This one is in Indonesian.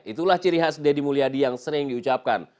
itulah ciri khas deddy mulyadi yang sering diucapkan